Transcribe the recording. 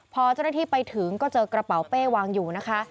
พอเจ้าหน้าที่ไปถึงก็เจอกระเป๋าเป้วางอยู่นะคะ